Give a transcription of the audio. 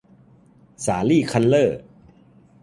สาลี่ คัลเล่อร์